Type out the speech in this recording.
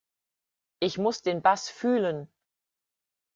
Ich muss den Bass fühlen.